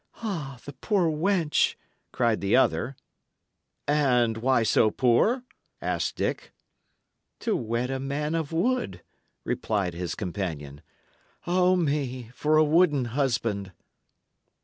"Ah, the poor wench!" cried the other. "And why so poor?" asked Dick. "To wed a man of wood," replied his companion. "O me, for a wooden husband!"